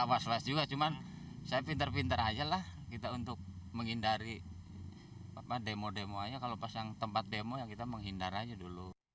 was was juga cuman saya pintar pintar aja lah kita untuk menghindari demo demo aja kalau pas yang tempat demo ya kita menghindar aja dulu